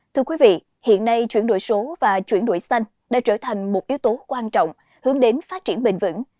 thưa quý vị hiện nay chuyển đổi số và chuyển đổi xanh đã trở thành một yếu tố quan trọng hướng đến phát triển bền vững